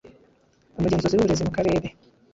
umugenzuzi w uburezi mu karere